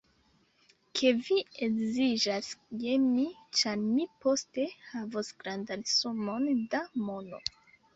Ke vi edziĝas je mi, ĉar mi poste havos grandan sumon da mono.